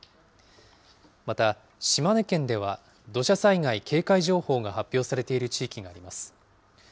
また島根県では土砂災害警戒情報が発表されている地域があります。